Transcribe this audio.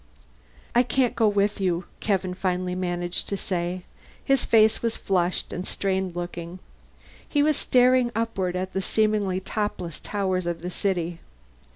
"I can't go with you," Kevin finally managed to say. His face was flushed and strained looking. He was staring upward at the seemingly topless towers of the city.